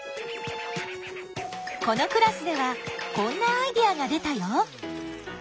このクラスではこんなアイデアが出たよ！